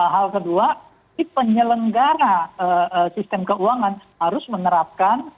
hal kedua penyelenggara sistem keuangan harus menerapkan